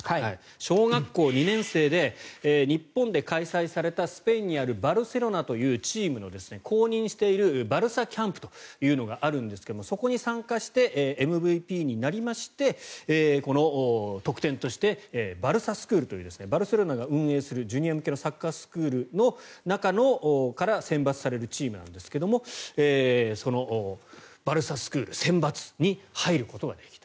小学校２年生で日本で開催されたスペインにあるバルセロナというチームの公認しているバルサキャンプというのがあるんですがそこに参加してＭＶＰになりましてこの特典としてバルサスクールというバルセロナが運営するジュニア向けのサッカースクールから選抜されるチームなんですがそのバルサスクール選抜に入ることができた。